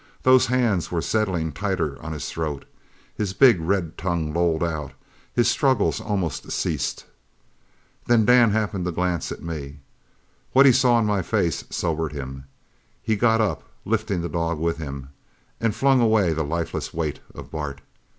Those hands were settling tighter on his throat. His big red tongue lolled out; his struggles almost ceased. Then Dan happened to glance at me. What he saw in my face sobered him. He got up, lifting the dog with him, and flung away the lifeless weight of Bart.